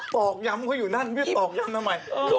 ตอกย้ำเขาอยู่นั่นพี่ตอกย้ำทำไม